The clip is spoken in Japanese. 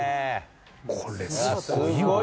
これ、すごいわ。